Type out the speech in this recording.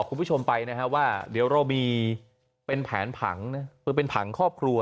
คุณผู้ผู้ชมไปนะว่าเดี๋ยวเรามีเป็นแผนผังเป็นผักครอบครัว